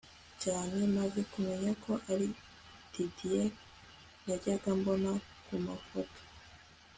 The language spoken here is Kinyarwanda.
cyane maze kumenya ko ari Didie najyaga mbona ku mafoto